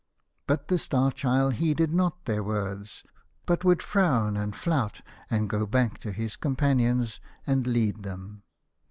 But the Star Child heeded not their words, but would frown and flout, and go back to o his companions, and lead them.